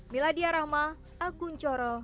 meladia rahma akun coro